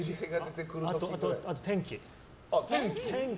あと天気。